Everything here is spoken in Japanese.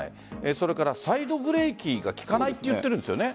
それからサイドブレーキが利かないと言っているんですよね。